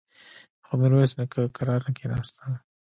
خو ميرويس نيکه کرار نه کېناسته.